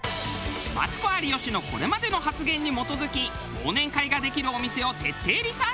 マツコ有吉のこれまでの発言に基づき忘年会ができるお店を徹底リサーチ。